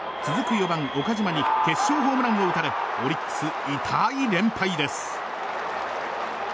４番、岡島に決勝ホームランを打たれオリックス、痛い連敗です。